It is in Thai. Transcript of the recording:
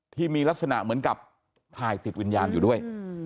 ที่มีลักษณะเหมือนกับถ่ายติดวิญญาณอยู่ด้วย